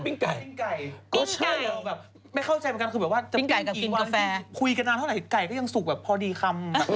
ปิ้งไก่ก็ใช่ไม่เข้าใจเหมือนกันปิ้งไก่กับกินกาแฟคุยกันนานเท่าไหร่ไก่ก็ยังสุกแบบพอดีคำ